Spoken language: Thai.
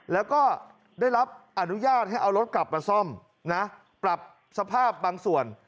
แล้วก็ได้รับอนุญาตให้เอารถกลับมาซ่อมนะปรับสภาพบางส่วน